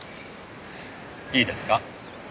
いいですか？